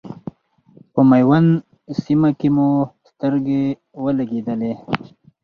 په میوند سیمه کې مو سترګې ولګېدلې.